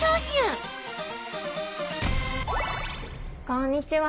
こんにちは。